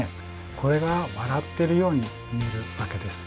これが笑ってるように見えるわけです。